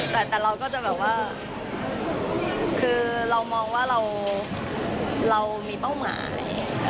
แต่เราก็จะแบบว่าคือเรามองว่าเรามีเป้าหมาย